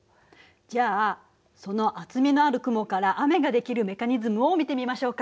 じゃあその厚みのある雲から雨ができるメカニズムを見てみましょうか。